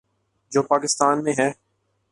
جو پاکستان میں ہے۔